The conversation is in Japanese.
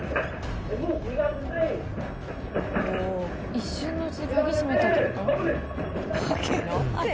一瞬のうちに鍵閉めたって事？